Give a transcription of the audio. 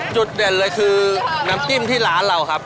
จุดเด่นเลยคือน้ำจิ้มที่ร้านเราครับ